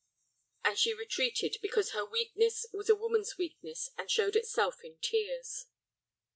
And she retreated because her weakness was a woman's weakness and showed itself in tears.